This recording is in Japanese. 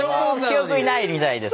記憶にないみたいです。